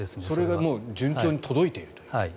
それが順調に届いていると。